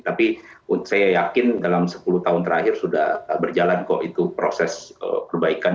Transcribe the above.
tapi saya yakin dalam sepuluh tahun terakhir sudah berjalan kok itu proses perbaikan